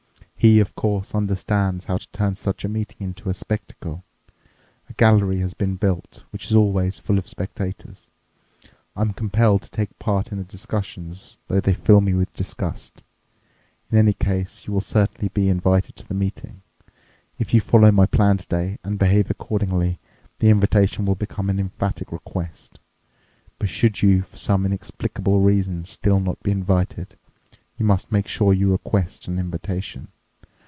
He, of course, understands how to turn such a meeting into a spectacle. A gallery has been built, which is always full of spectators. I'm compelled to take part in the discussions, though they fill me with disgust. In any case, you will certainly be invited to the meeting. If you follow my plan today and behave accordingly, the invitation will become an emphatic request. But should you for some inexplicable reason still not be invited, you must make sure you request an invitation.